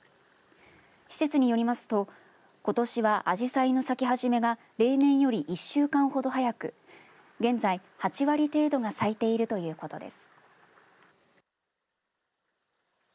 施設によりますとことしはアジサイの咲き始めが例年より１週間ほど早く現在、８割程度が咲いているということです。